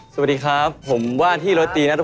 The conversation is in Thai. สวัสดีเจ้า